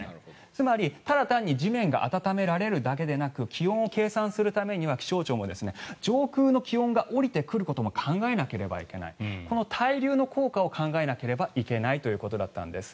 つまり、ただ単に地面が温められるだけでなく気温を計算するためには気象庁も上空の気温が下りてくることも考えないといけないこの対流の効果を考えなければいけないということだったｎです。